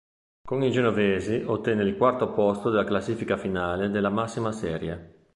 Con i genovesi ottenne il quarto posto della classifica finale della massima serie.